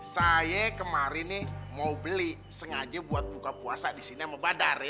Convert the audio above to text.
saya kemarin nih mau beli sengaja buat buka puasa di sini sama badar